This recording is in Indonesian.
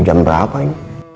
jam berapa ini